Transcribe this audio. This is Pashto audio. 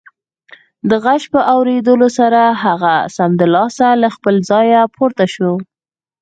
د غږ په اورېدو سره هغه سمدلاسه له خپله ځايه پورته شو